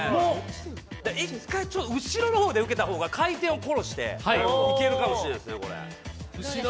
１回後ろの方で受けた方が、回転を殺していけるかもしれないですね、これ。